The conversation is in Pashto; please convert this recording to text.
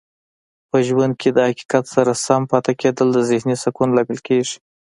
په ژوند کې د حقیقت سره سم پاتې کیدل د ذهنې سکون لامل کیږي.